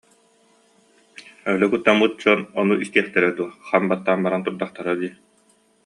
Өлө куттаммыт дьон ону истиэхтэрэ дуо, хам баттаан баран турдахтара дии